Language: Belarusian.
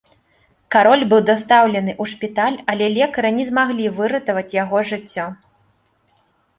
Кароль быў дастаўлены ў шпіталь, але лекары не змаглі выратаваць яго жыццё.